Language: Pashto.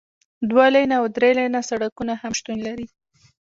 دوه لینه او درې لینه سړکونه هم شتون لري